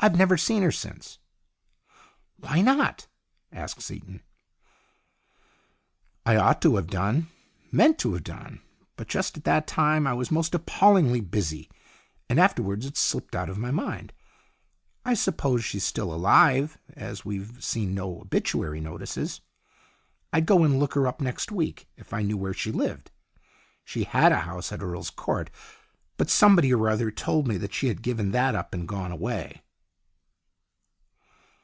I've never seen her since." " Why not ?" asked Seaton. "I ought to have done. Meant to have done. But just at that time I was most appallingly busy, and afterwards it slipped out of my mind. I sup pose she's still alive, as we've seen no obituary notices. I'd go and look her up next week, if I knew where she lived. She had a house at Earl's Court, but somebody or other told me she had given that up and gone away."